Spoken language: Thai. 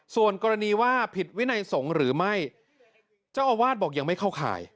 ส่วนกรณีว่าผิดวินัยสงฆ์หรือไม่เจ้าอาวาสบอกยังไม่เข้าข่าย